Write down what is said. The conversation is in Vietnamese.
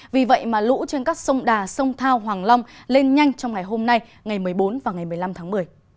vì vậy mà lũ trên các sông đà sông thao hoàng long lên nhanh trong ngày hôm nay ngày một mươi bốn và ngày một mươi năm tháng một mươi